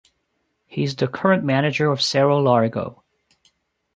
He is the current manager of Cerro Largo.